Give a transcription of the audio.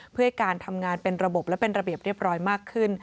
เพื่อให้การทำงานเป็นระบบและเป็นระเบียบเรียบร้อยมากขึ้น